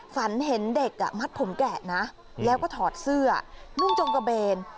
ฝันเห็นเด็กมัดผมแกะนะแล้วก็ถอดเสื้อนุ่งจงกระเบน